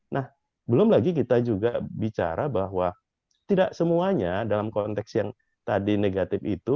nah belum lagi kita juga bicara bahwa tidak semuanya dalam konteks yang tadi negatif itu